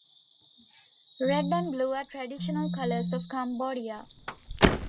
Red and blue are traditional colours of Cambodia.